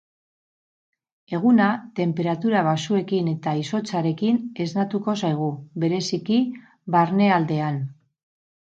Eguna tenperatura baxuekin eta izotzarekin esnatuko zaigu, bereziki barnealdean.